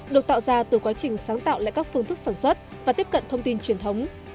được tạo ra từ quá trình sáng tạo lại các phương thức sản xuất và tiếp cận thông tin truyền thống